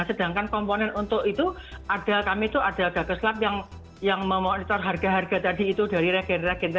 sedangkan komponen untuk itu ada kami itu ada gagal yang memonitor harga harga tadi itu dari regen regen